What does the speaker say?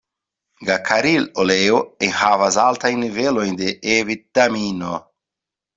Gakaril-oleo enhavas altajn nivelojn de E-vitamino.